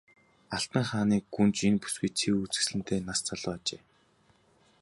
Алтан хааны гүнж энэ бүсгүй цэвэр үзэсгэлэнтэй нас залуу ажээ.